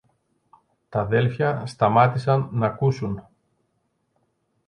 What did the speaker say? Τ' αδέλφια σταμάτησαν ν' ακούσουν.